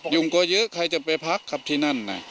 กลัวเยอะใครจะไปพักครับที่นั่นน่ะ